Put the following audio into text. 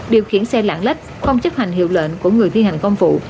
điều khiển xe lạng lách không chấp hành hiệu lệnh của người thi hành công vụ